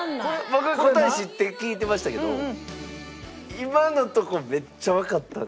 僕答え知って聴いてましたけど今のとこめっちゃわかったんですけど。